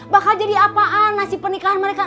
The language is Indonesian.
bakal jadi apaan nasib pernikahan mereka